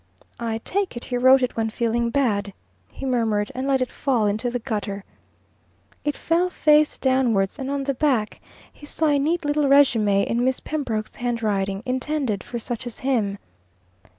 "I take it he wrote it when feeling bad," he murmured, and let it fall into the gutter. It fell face downwards, and on the back he saw a neat little resume in Miss Pembroke's handwriting, intended for such as him.